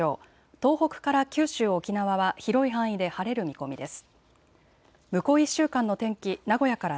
東北から九州、沖縄は広い範囲で晴れる見込みです。